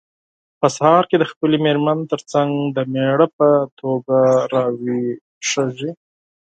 په سهار کې د خپلې مېرمن ترڅنګ د مېړه په توګه راویښیږي.